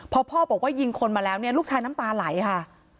พอพ่อบอกว่ายิงคนมาแล้วเนี่ยลูกชายน้ำตาไหลค่ะ